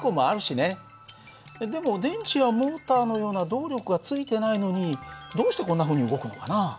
でも電池やモーターのような動力はついてないのにどうしてこんなふうに動くのかな？